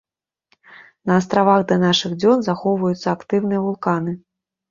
На астравах да нашых дзён захоўваюцца актыўныя вулканы.